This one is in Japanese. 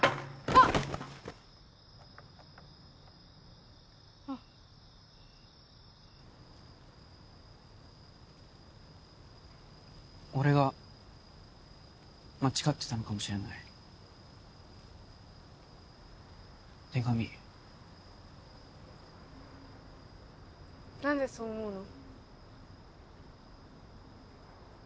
あ俺が間違ってたのかもしれない手紙何でそう思うの？